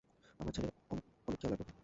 আমার ছেলের অনেক আনেক খেয়াল রাখবে, ওকে?